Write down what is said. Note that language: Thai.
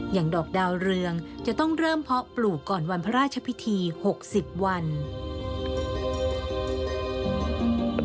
อย่างดอกดาวเรืองจะต้องเริ่มเพาะปลูกก่อนวันพระราชพิธี๖๐วัน